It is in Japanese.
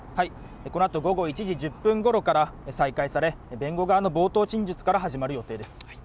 このあと午後１時１０分ごろから質問が再開され弁護側の冒頭陳述から始まる予定です。